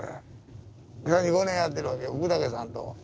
３５年やってるわけや福武さんと。